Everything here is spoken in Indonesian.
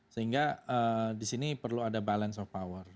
sehingga disini perlu ada balance of power